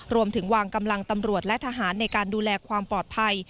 รวมถึงวางกำลังตำรวจและทหารในการดูแลความปลอดภัย